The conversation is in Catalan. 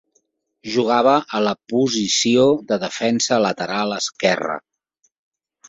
Jugava a la posició de defensa lateral esquerra.